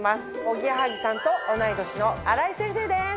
おぎやはぎさんと同い年の新井先生です！